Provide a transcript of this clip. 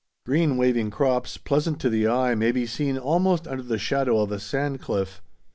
Green waving crops, pleasant to the eye, may be seen almost under the shadow of a sand cliff.